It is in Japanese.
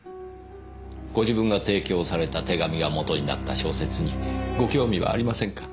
ご自分が提供された手紙が元になった小説にご興味はありませんか？